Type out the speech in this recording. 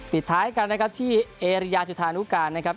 ปิดท้ายกันนะครับที่เอริยาจุธานุการนะครับ